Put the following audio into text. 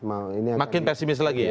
makin pesimis lagi ya